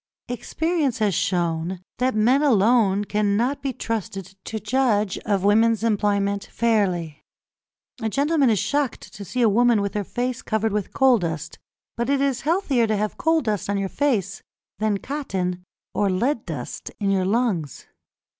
Experience has shown that men alone cannot be trusted to judge of women's employment fairly. A gentleman is shocked to see a woman with her face covered with coal dust; but it is healthier to have coal dust on your face than cotton or lead dust in your lungs.